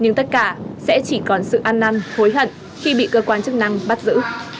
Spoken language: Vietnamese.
nhưng tất cả sẽ chỉ còn sự ăn năn hối hận khi bị cơ quan chức năng bắt giữ